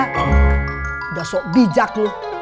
udah sok bijak lu